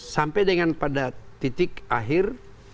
sampai dengan pada titik akhir